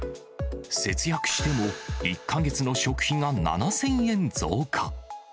節約しても、１か月の食費が７０００円増加。